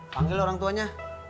panggil orang tuanya